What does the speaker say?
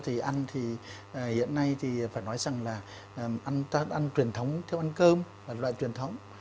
hiện nay thì phải nói rằng là ăn truyền thống theo ăn cơm là loại truyền thống